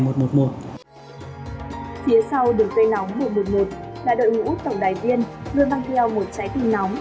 phía sau đường dây nóng một trăm một mươi một là đội ngũ tổng đài viên luôn mang theo một trái tim nóng